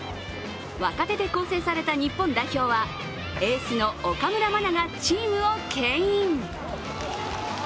若手で構成された日本代表はエースの岡村真がチームをけん引。